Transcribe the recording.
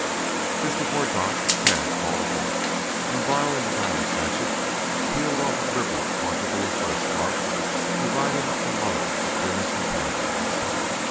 Just before dark Tad called a halt, and, borrowing the guide's hatchet, peeled off a liberal quantity of birch bark, dividing up the load between his companions.